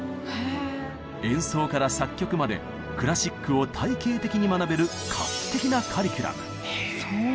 演奏から作曲までクラシックを体系的に学べる画期的なカリキュラム。